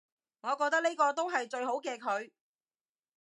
我覺得呢個都係最好嘅佢